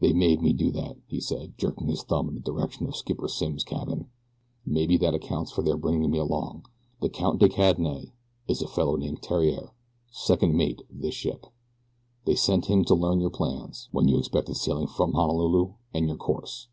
"They made me do that," he said, jerking his thumb in the general direction of Skipper Simms' cabin. "Maybe that accounts for their bringing me along. The 'Count de Cadenet' is a fellow named Theriere, second mate of this ship. They sent him to learn your plans; when you expected sailing from Honolulu and your course.